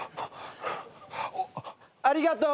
ありがとう。